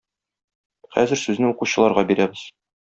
Хәзер сүзне укучыларга бирәбез.